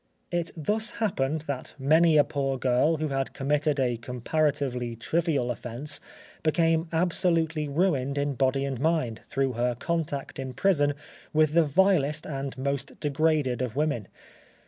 It thus happened that many a poor girl who had committed a comparatively trivial offence, became absolutely ruined in body and mind through her contact in prison with the vilest and most degraded of women.